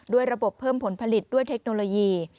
ระบบเพิ่มผลผลิตด้วยเทคโนโลยี